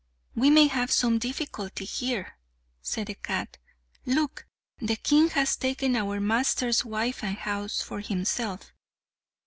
"We may have some difficulty here," said the cat. "Look, the king has taken our master's wife and house for himself.